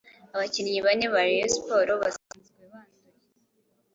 Abakinnyi bane ba Rayon Sports basanzwe banduye